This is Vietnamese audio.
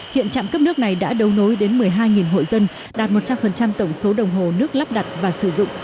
hiện trạm cấp nước này đã đấu nối đến một mươi hai hội dân đạt một trăm linh tổng số đồng hồ nước lắp đặt và sử dụng